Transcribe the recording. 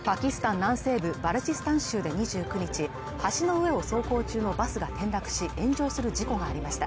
南西部バルチスタン州で２９日橋の上を走行中のバスが転落し炎上する事故がありました